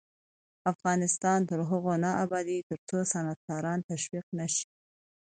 افغانستان تر هغو نه ابادیږي، ترڅو صنعتکاران تشویق نشي.